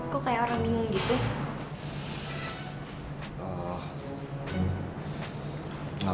kok kayak orang bingung gitu